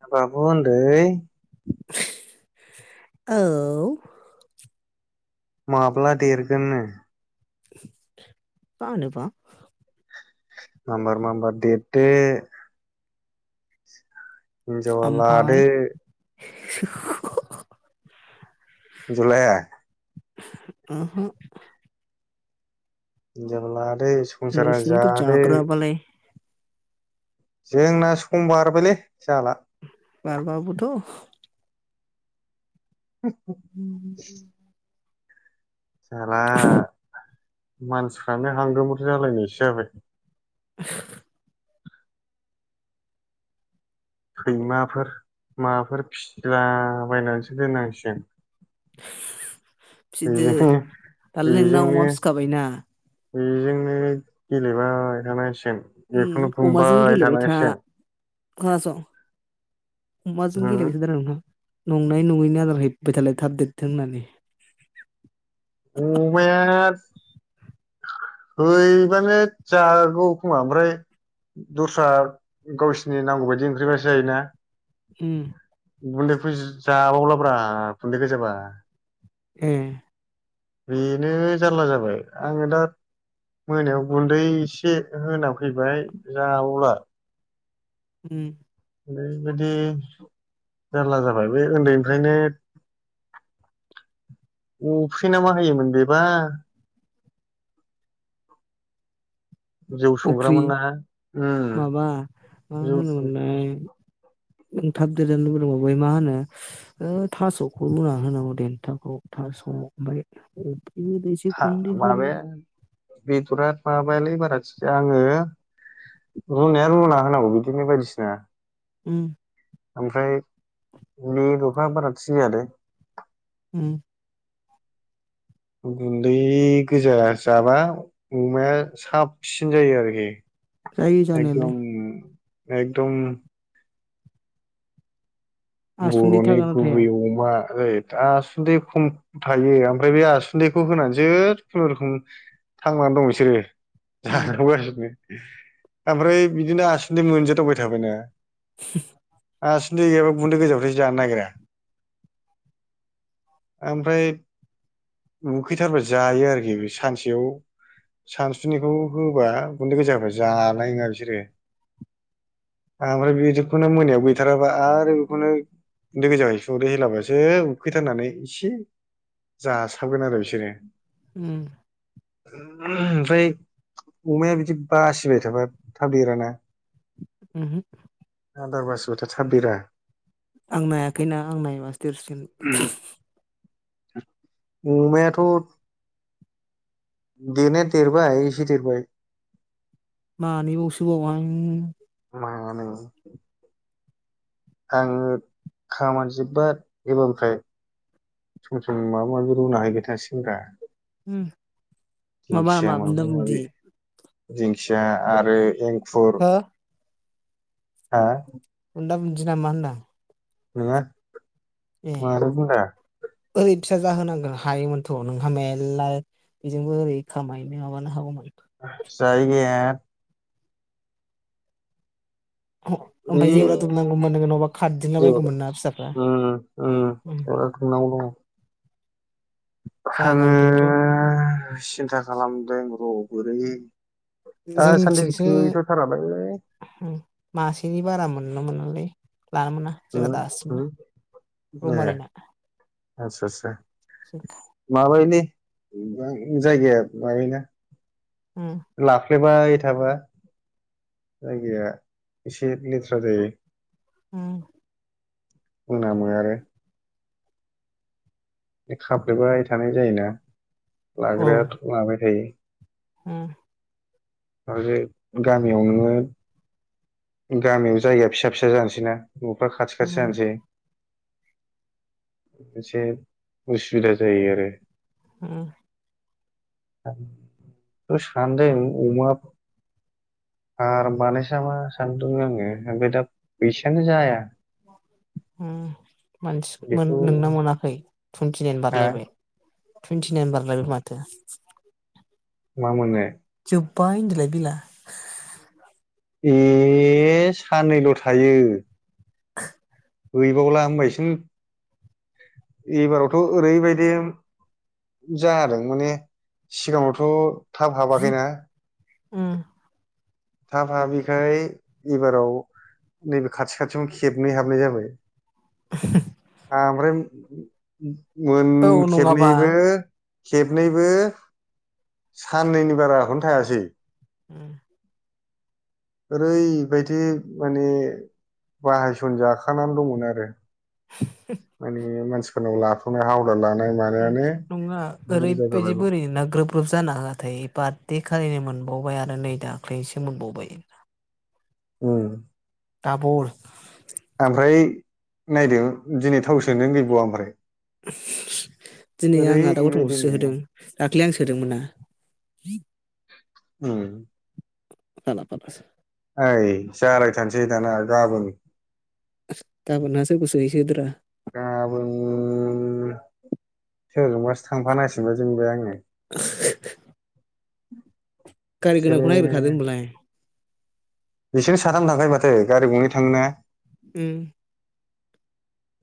[inaudible] बाबु ओन्दै। ओव माब्ला देरगोननो। बा होनो बा मामबार मामबार देरदो। हिनजावा ओमफाय लादो। [unintelligible] जलाया। ओहो। [unintelligible] संसारा नोंसिनिखौ जादो। जाग्राबालाय जोंना सम बारबायलै जाला। बारबा बोथ', [unintelligible] जाला मानसिफ्रानो हांगोमोर जालायनायसो जाबाय [unintelligible] सैमाफोर माबाफोर फिसिला बायनानैसो दोननांसिगोन फिसिदो बेजोंनो दालाय नोंना अमा बेजोंनो फिखाबायना । बेजोंनो गेलेबाय थानांसि उम अमाजों गेलेबाय था खोनासं अमाजों गेलेबाय थादो आरो नोंथां? नंनाय नङैनो आदार हैबाय थालाय थाब देरदों होननानै। अमाया हैबालाय जागौ खोमा ओमफ्राय दस्रा गावसिनि नांगौ बायदि ओंख्रिबासो जायो ना । उम गुन्दैखौ जाबावला ब्रा गुन्दै गोजाबा ए बेनो जारला जाबाय आङो दा मोनायाव गुन्दै एसे होना फैबाय जाबावला उम। ओरै बायदि जारला जाबाय बे उन्दैनिफ्रायनो अफ्रि ना मा होयोमोन बेबा जौ संग्रा अफ्रि मोनना उह माबा मा जौ होनोमोनलाय [unintelligible] एसे [unintelligible] गुन्दै होदो माबायालै बाराखिजाया आङो रुनाया रुना होनांगौ बिदिनो बायदिसिना। उ ओमफ्राय बे लबा बारा थिक जायालै। उम गुन्दै गोजा जाबा अमाया साबसिन जायो आरोखि। जायो एकदम जानायालाय एकदम। आसुन्दै बर'नि थागोना थाया गुबै अमा। ओय आसुन्दै खम थायो आमफ्राय बे आसुन्दैखौ होनानैसो खुनुरुखुम थांनानै दं बिसोरो। उम [inaudible] आमफ्राय बिदिनो आसुन्दै मोनजादावबाय थाबायना। [inaudible] आसुन्दै गै गुन्दै गोजाबाथाय जानो नागिरा आमफ्राय उखैथारबा जायो आरोखि बे सानसेयाव सानसुनिखौ होबा गुन्दै गोजाबा जानाय नङा बिसोरो आमफ्राय बेदिखौनो मोनायाव गैथाराबा आरो खौनो गुन्दै गोजायै संख्रि होलाबासो उखैथारनानै एसे जासाबगोन आरो बिसोरो उम ओमफ्राय अमाया बिदि बासिबाय थाबा थाब देराना? उम हो। आदार बासिबाथाय थाब देरा। आं नायाखैना आं नायबासो देरसिगोन अमायाथ' बेनो देरबाय एसे देरबाय। मानैबाव सोबाव बा मानै आङो खामानि जोबबा एबारनिफ्राय सम सम माबा माबि रुना हैबाय थासिगोन ब्रा। उम माबा बुन्दा बुन्दि दिंखिया आरो एं खुर। हो हा बुन्दा बुन्दि नामा होनदां नोङा। ए मानै बुनदा ओरै फिसा जाहोनांगोन हायोमोनथ' नोंहा मेलला बेजोंबो ओरै खामायनो माबानो हागौमोन। जायगाया। [unintelligible] उम ओमफ्राय जेवरा उम दुमनांगौमोन नोङो नङाबा जेवरा खारदिंलाबायगौमोन ना फिसाफ्रा उम दुमनांगौ दङ। आङो जागोन खिन्थु सिन्था खालामदों र'। बोरै। दासान्दि जोंनिथिंसो गैथ'थारालाय उम मासेनि बारा मोन ना मोनालै लानो मोना ए जोंना दासिमबो रोउमारिना आतसा आतसा। माबायदि जायगाया बायोना उम । खाफ्लेबाय थाबा जायगाया एसे लेथ्रा जायो। उम । मोनामो आरो खाफ्लेबाय थानाय जायोना औ लाग्रायाथ' लाबाय थायो । उम माखासे गामियाव नोङो गामियाव जायगाया फिसा फिसा जानोसैना नफ्रा खाथि खाथि उम जानोसै। एसे उसुबिदा जायो आरो। उम [unintelligible] सान्दों अमा आर बानायसा मा सानदों आंङो ओमफाय दा फैसायानो जाया। उम मानसि मोन बेखौ नोंना मोनाखै? थुइनटिनाइन हा बारलायबाय । टुइनटिनाइन बारलायबाय माथो । मा मोनो [unintelligible] बिला ए साननैल' थायो । हैबावला होनबायसिम एबारावथ ओरैबायदि जादों माने सिगाङावथ थाब हाबाखैना? उम थाब हाबिखाय एबाराव नैबे खाथि खाथियावनो खेबनै हाबनाय जाबाय। आमफ्रायम उम मोन औ नङाबा खेबनैबो खेबनैबो साननैनि बाराखौनो थायासै उम ओरैबायदि माने बाहायसन जाखानानै दंमोन आरो माने मानसि [unintelligible] हाव उम नङा बुरजा ओरैबायदि जाबायमोन बोरै नोंना ग्रोब ग्रुप जानाहोआथाय बार्थदे खालिनो मोनबावबाय आरो नै दाख्लैसो मोनबावबाय । उम दाबल ओमफ्राय नायदो दिनै थाव सोनो गैबावा आमफ्राय। दिनै आं आदा गथमखौ ओरैबायदिनो सोहोदों दाख्लै आं सोदोंमोना । उम फाला फालस ओइ जालायथारसै दाना गाबोन गाबोन नोंहा सोरखौ सोहोयो सोदो रा सोरजोंबास थांफानांसि जोंबो आंङो गारि गोनांखौ नायगिरखादो होनबालाय। बिसोरनो साथाम थांखायो माथो गारि गङै थाङो ना? उम।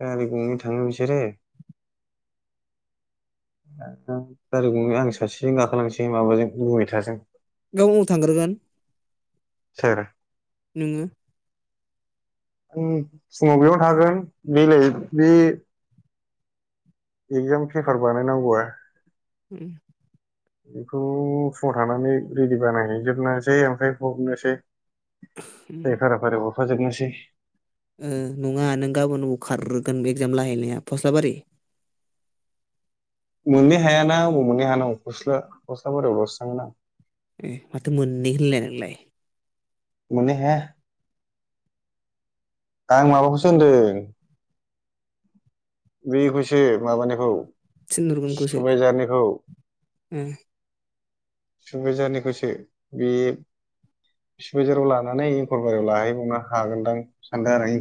गारि गंनै थाङो बिसोरो, गारि गंनै आं सासेजों गाखोलांसै माबाजों मैथाजों। गावनाव थांग्रोगोन सोर? नोङो? आं फुङाव बेयाव थागोन बेलाय बे एगजाम पेपार बानायनांगौआ उम। बेखौ फुङाव थानानै रेडि बानायहैजोबनोसै ओमफ्राय हरनोसै। जाय फारा फारि हर फोजोबनोसै। ओ नङा नों गाबोन अबाव खारग्रोगोन एगजाम लाहैनाया फस्लाबारि? मोननै हायाना अबाव मोननै हानांगौ फस्ला फस्ला बारियाव लसो थांगोन आं। ए माथो मोननै होननाय नोंलाय? मोननै हाया। आं माबाखौसो होनदों बेखौसो माबानायखौ थिनहरगोन खौसो ओम सुबायझारनिखौसो। बे सुबायझाराव लानानै एंकरबारियाव लाहैबावनो हागोनदां सानदों आरो।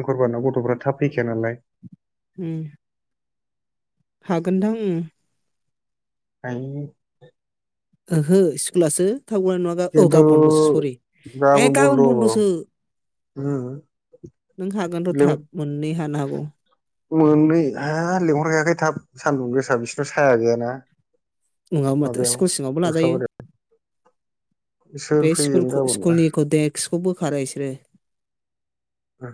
एंखरबारिनाव गथफ्रा थाब फैखाया नालाय। उम। हागोनदां उम। हायो। ओहो स्कुलासो थाब गनाय नङा गा औ खिन्थु गाबोन बन्दसो सरि। ए गाबोन बन्द सो। हुम। नों हागोन थ थाब मोननै हानो हागौ। औ। मोननै हा लेंहरखायाखै थाब सान्दुं गोसा बिसोरनाव साया गैयाना। नङाबा माथो। माबायाव स्कुल सिङावबो लाजायो। गस्लाबारियाव सोर बे फैगोन स्कुलखौ गाबोनबा स्कुलनिखौ देक्सखौ बोखारो इसोरो। होय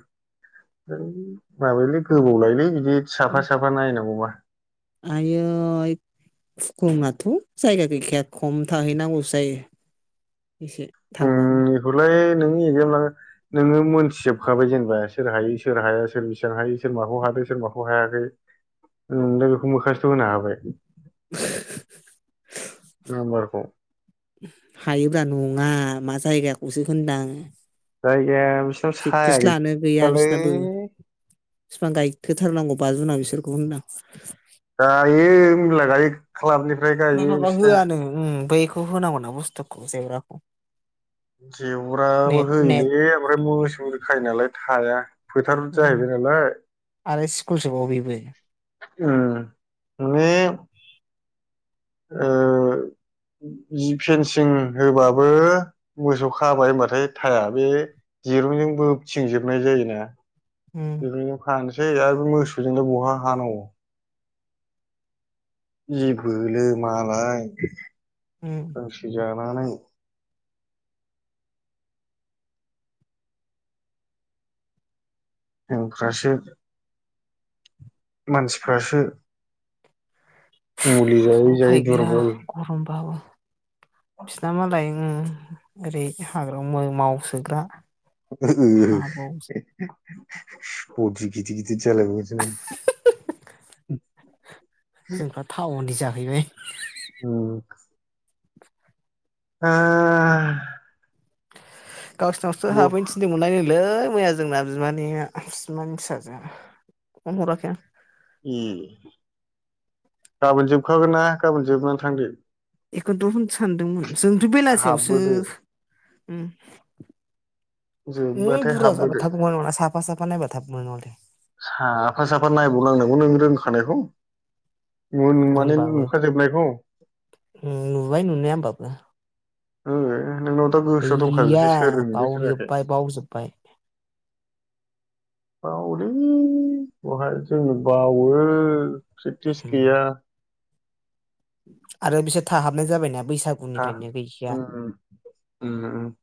माबायोलै गोबाव लायोलै साफा उम। साफा नायनांगौबा आयोइ [unintelligible] उम जायगा गैखाया खम थाहैनांगौसो जायो एसे थांबावो। नोंनि एकजाम नोङो मोनथिजोबखाबाय जेनेबा। सोर हायो सोर हाया सोर बेसेबां हायो सोर माखौ हादों सोर माखौ हायाखै नोंलाय बेखौ मोखासथ होनो हाबाय। [unintelligible] नाम्बारखौ हायोब्रा नङा मा जायगाखौसो होनदां। जायगाया बिसिनाव साया प्रेक्टिस लानो गैया गैथारालै। बिसोरनाबो बिफां गायहोथारनांगौ बा जुुन नाव बिसोरखौबो होनदां। दायो [unintelligible] लाइक बे माबा होआ नो उम ओमफाय खु होनांगौ ना बुस्थुखौ जेवराखौ। जेवराबो नेट होयोलै ओमफ्राय मोसौ खायोनालाय थाया। फोथार उम जाहैबाय नालाय आरो स्कुलसोबाव बेबो उम माने, ओ जि फेनसिं होबाबो मोसौ खाबाय होनबाथाय थायारनि दिरुंजोंबो थिंजोबनाय जायोना। उम बेफोरखौ खानो सै आरो मोसौजोंनो बहा हानांगौ, जिबो लोमालाय [unintelligible] उम मा नायनो? [unintelligible] मानसिफ्रासो मुलि जायै जायै दुरबल बिसिना मालाय उम ओरै हाग्रायाव मावसोग्रा हाबाव [unintelligible] [unintelligible] [unintelligible] जोंफ्रा टाउननि जाहैबाय उम ओ गावस्रानावसो हाबैनो थिनदोंमोन लां लै मैया जोंना बिमानैया सिमानि फिसाजोआ फन हराखै आं। ए गाबोन जोबखागोन ना गाबोन जोबनानै थांदो, बेखौनोथ' होननो सानदोंमोन जोंथ' बेलासियावसो हाबबोदो उम जोबबाथाय [unintelligible] हाबबोदो साफा साफा [unintelligible] साफा साफा नायबाव नांदो, नंगौ नों रोंखानायखौ माने होनबाबो नुखाजोबनायखौ नुबाय नुनाया होमबाबो, [unintelligible] गोसोआव गैलिया दंखाजोबसै सोर रोंदों सोर रोङाखै बावजोबाय बावजोबाय। बावोलै बहाय जोंनो बावो। प्रेक्टिस उम, गैया। आरो बिसोर थाहाबनाय जाबायना बैसागुनिफ्रायनो गैखाया उम उम उम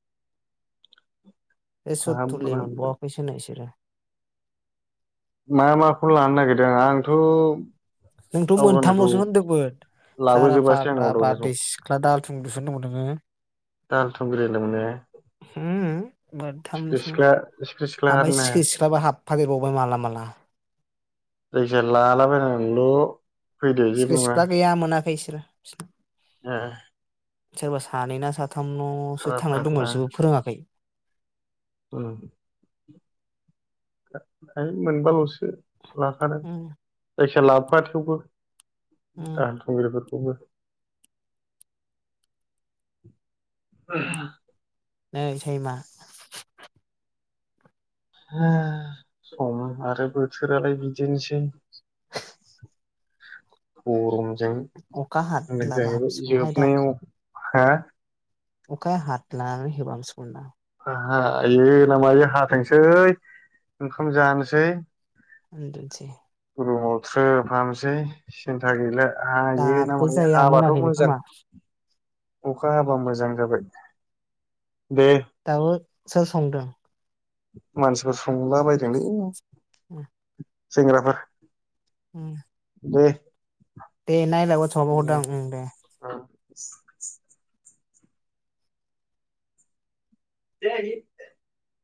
बे हाब सथथुलि मोनबावाखैसोनो बिसोरो मा माखौ लानो नागिरदों आंथ'। नोंथ' आवगायनायखौ मोनथामलसो होनदोंमोन जारा लाबोजोबासै आं फाग्ला, आवदावनायखौ बारदै सिख्ला, दाहाल थुंग्रिसो होनदोंमोन नोङो दाहाल थुंग्रि लोंनो होम सिख्रि मोनथामलसोमोन सिख्ला सिख्रि सिख्ला ओमफ्राय हारनो सिख्रि सिख्लाबो हाब [unintelligible] जायखिजाया लालाबायनानैल फैदो जेबो सिख्रि नङा सिख्ला गैया मोनाखै [unintelligible] [inaudible] सोरबा सानैना सा साथाम नसो फाग्ला थांनाय दंमोन बिसोरबो फोरोङाखै ओं मोनबालसो [inaudible] उम लाबोफा थेवबो। उम दाहाल थुग्रिफोर [inaudible] [unintelligible] सम आरो बोथोरालाय बिदिनोसै गरम। जों अखा [unintelligible] हादलाबा जाहैबाय हामसिगौहाय जोबनायाव हा अखा हातलानानै होबा हामसिगौ होनदां हायो ना मायो हाथोंसै ओंखाम जानोसै उन्दुनसै। रुमाव थ्रोब हाबनोसै सिनथा गैला। हायोना दाबो मायो जाया हाबाथ' मोनाखैनो खोमा मोजां। अखा हाबा मोजां जाबाय। दे। [unintelligible] सोर संदोंं? मानसि [unintelligible] उम सेंग्राफोर। उम। दे। दे नाय लाय वाटसबाव हरदां ओं दे [inaudible] [unintelligible]